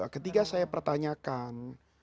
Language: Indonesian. ketika saya pertanyakan